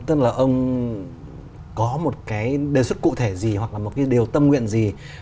tức là ông có một cái đề xuất cụ thể gì hoặc là một cái điều tâm nguyện gì